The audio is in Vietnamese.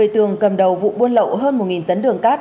một mươi tường cầm đầu vụ buôn lậu hơn một tấn đường cát